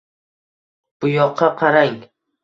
Buyoqqa qarang?